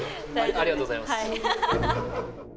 ありがとうございます。